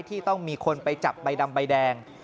ที่ต้องมีคนไปจับใบดำใบแดง